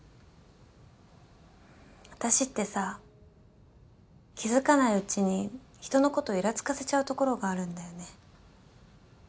私ってさ気づかないうちに人のことイラつかせちゃうところがあるんだよね。